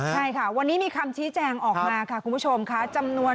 ใช่ค่ะวันนี้มีคำชี้แจงออกมาค่ะคุณผู้ชมค่ะจำนวน